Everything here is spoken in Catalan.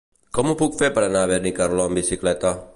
Com ho puc fer per anar a Benicarló amb bicicleta?